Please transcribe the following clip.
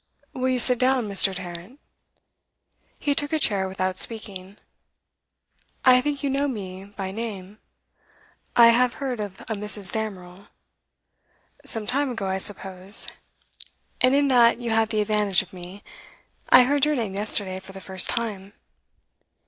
'Will you sit down, Mr. Tarrant?' He took a chair without speaking. 'I think you know me by name?' 'I have heard of a Mrs. Damerel.' 'Some time ago, I suppose? And in that you have the advantage of me. I heard your name yesterday for the first time.